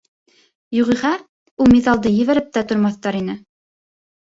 Юғиһә ул миҙалды ебәреп тә тормаҫтар ине.